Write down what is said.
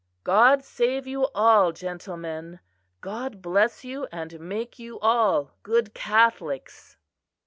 "God save you all, gentlemen! God bless you and make you all good Catholics."